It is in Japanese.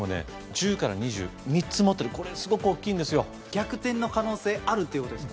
１０から２０３つ持ってるこれすごく大っきいんですよ逆転の可能性あるっていうことですか？